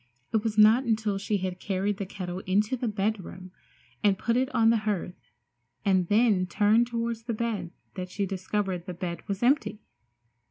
It was not until she had carried the kettle into the bedroom and put it on the hearth and then turned toward the bed that she discovered the bed was empty!